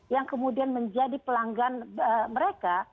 yang kemudian menjadi pelanggan mereka